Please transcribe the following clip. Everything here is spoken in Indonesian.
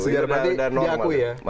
sejarah berarti diakui ya